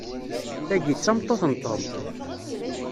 Tagi, d tameṭṭut n Tom.